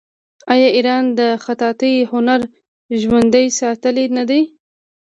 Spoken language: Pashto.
آیا ایران د خطاطۍ هنر ژوندی ساتلی نه دی؟